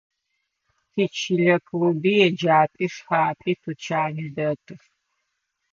Тичылэ клуби, еджапӏи, шхапӏи, тучани дэтых.